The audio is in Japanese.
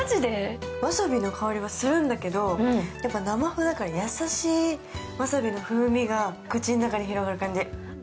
わさびの香りがするんだけど生麩だから優しいわさびの風味が口の中に広がる感じ。